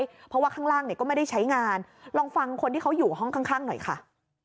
เพราะว่าข้างล่างเนี่ยก็ไม่ได้ใช้งานลองฟังคนที่เขาอยู่ห้องข้างหน่อยค่ะ